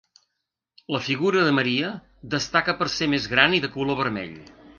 La figura de Maria destaca per ser més gran i de color vermell.